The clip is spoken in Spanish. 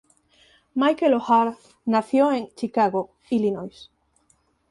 Michael O'Hare nació en Chicago, Illinois.